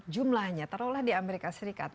jumlahnya terolah di amerika serikat